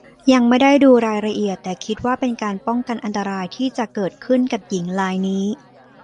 ยังไม่ได้ดูรายละเอียด แต่คิดว่าเป็นการป้องกันอันตรายที่จะเกิดขึ้นกับหญิงรายนี้